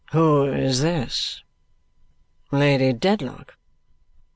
"Who is this? 'Lady Dedlock.'